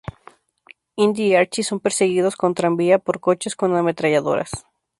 Indy y Archie son perseguidos en tranvía por coches con ametralladoras.